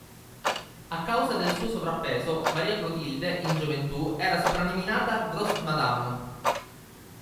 A causa del suo sovrappeso, Maria Clotilde in gioventù era soprannominata "Gros-Madame".